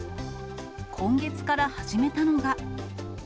今月から始めたのが。